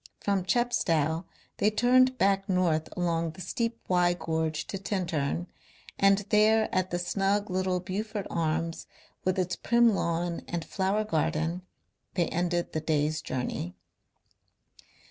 From Chepstow they turned back north along the steep Wye gorge to Tintern, and there at the snug little Beaufort Arms with its prim lawn and flower garden they ended the day's journey.